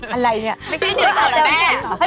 อะไรเนี่ย